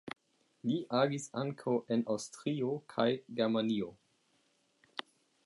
Li agis ankaŭ en Aŭstrio kaj Germanio.